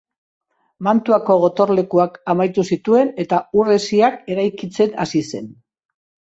Mantuako gotorlekuak amaitu zituen eta ur-hesiak eraikitzen hasi zen.